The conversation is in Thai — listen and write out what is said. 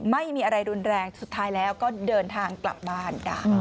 ไม่มีอะไรรุนแรงสุดท้ายแล้วก็เดินทางกลับบ้านค่ะ